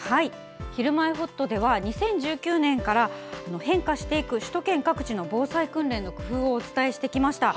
「ひるまえほっと」では２０１９年から、変化していく首都圏各地の防災訓練の工夫をお伝えしてきました。